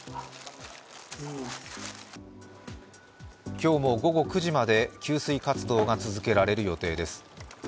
今日も午後９時まで給水活動が続けられる予定です。